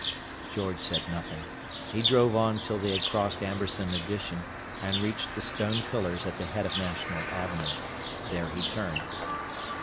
George said nothing; he drove on till they had crossed Amberson Addition and reached the stone pillars at the head of National Avenue. There he turned.